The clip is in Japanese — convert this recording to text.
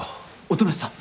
音無さん